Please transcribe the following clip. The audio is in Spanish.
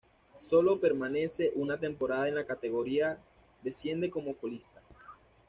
Sólo permanece una temporada en la categoría, desciende como colista.